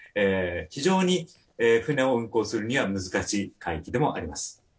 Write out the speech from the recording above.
非常に船を運航するには難しい海域でもあります。